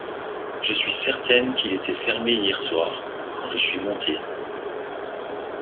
Je suis certaine qu’il était fermé hier soir, quand je suis montée...